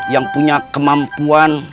yang punya kemampuan